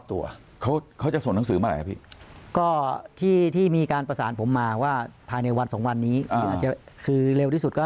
แต่ว่าหรืออาจจะเป็นวันนี้ก็ได้